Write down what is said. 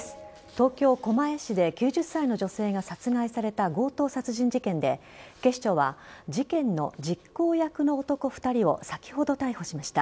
東京・狛江市で９０歳の女性が殺害された強盗殺人事件で警視庁は事件の実行役の男２人を先ほど逮捕しました。